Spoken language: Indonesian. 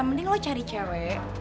mending lo cari cewek